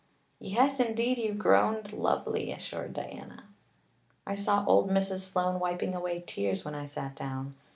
"Yes, indeed, you groaned lovely," assured Diana. "I saw old Mrs. Sloane wiping away tears when I sat down.